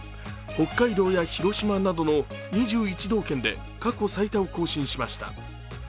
北海道や広島などの２１道県で過去最多を更新しました。